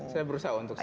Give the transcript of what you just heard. saya berusaha untuk sadar